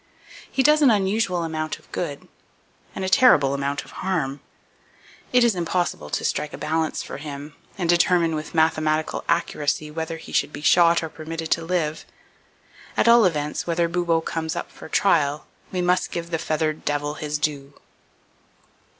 He does an unusual amount of good, and a terrible amount of harm. It is impossible to strike a balance for him, and determine with mathematical accuracy whether he should be shot or permitted to live. At all events, whenever Bubo comes up for trial, we must give the feathered devil his due.